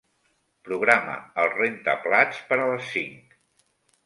Programa el rentaplats per a les cinc.